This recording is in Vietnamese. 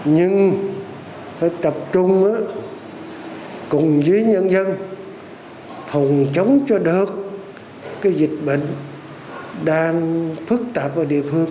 nhưng phải tập trung cùng với nhân dân phòng chống cho được cái dịch bệnh đang phức tạp ở địa phương